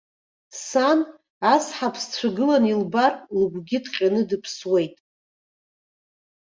Сан ас ҳаԥсцәа гыланы илбар, лгәы ҭҟьаны дыԥсуеит!